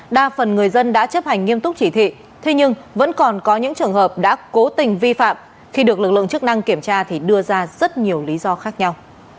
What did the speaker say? đa phần người dân đã chấp hành nghiêm túc chỉ thị thế nhưng vẫn còn có những trường hợp đã cố tình vi phạm khi được lực lượng chức năng kiểm tra thì đưa ra rất nhiều lý do khác nhau